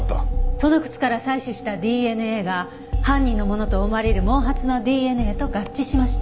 その靴から採取したＤＮＡが犯人のものと思われる毛髪のＤＮＡと合致しました。